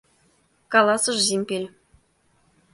— каласыш Зимпель.